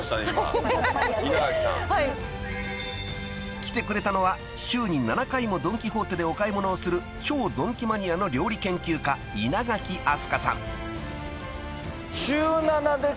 ［来てくれたのは週に７回もドン・キホーテでお買い物をする超ドンキマニアの料理研究家稲垣飛鳥さん］